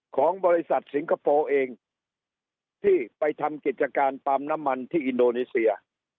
ของบริษัทสิงคโปร์เองที่ไปทำกิจการปาล์มน้ำมันที่อินโดนีเซีย